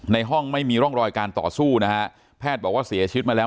ในห้องไม่มีร่องรอยการต่อสู้นะฮะแพทย์บอกว่าเสียชีวิตมาแล้ว